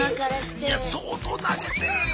いや相当投げてるよ